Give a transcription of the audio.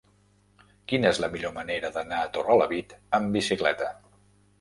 Quina és la millor manera d'anar a Torrelavit amb bicicleta?